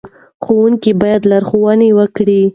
ښوونکي باید لارښوونه وکړي.